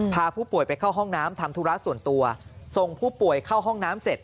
พาผู้ป่วยไปเข้าห้องน้ำทำธุระส่วนตัวส่งผู้ป่วยเข้าห้องน้ำเสร็จ